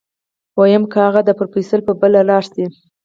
ويم که اغه د پروفيسر په پل لاړ شي.